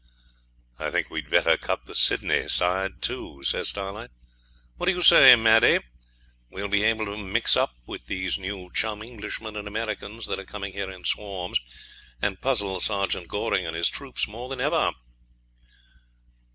'I think we'd better cut the Sydney "side", too,' says Starlight. 'What do you say, Maddie? We'll be able to mix up with these new chum Englishmen and Americans that are coming here in swarms, and puzzle Sergeant Goring and his troopers more than ever.'